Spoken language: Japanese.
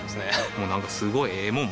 もうなんかすごいええもん